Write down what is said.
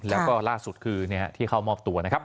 แล้วก็ล่าสุดคือที่เข้ามอบตัวนะครับ